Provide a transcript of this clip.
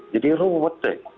jadi ruwet deh